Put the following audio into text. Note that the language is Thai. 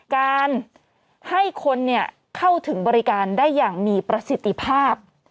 การให้คนเข้าถึงบริการได้อย่างมีประสิทธิภาพ